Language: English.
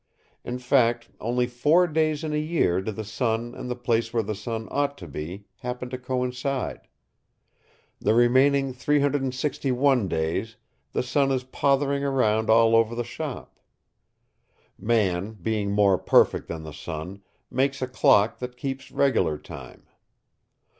In fact, only four days in a year do the sun and the place where the sun ought to be happen to coincide. The remaining 361 days the sun is pothering around all over the shop. Man, being more perfect than the sun, makes a clock that keeps regular time.